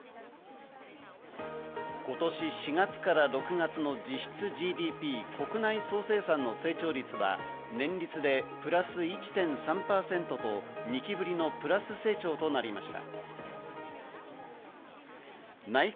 今年４月から６月の実質ＧＤＰ＝国内総生産の成長率は年率でプラス１．３％と、２期ぶりのプラス成長となりました。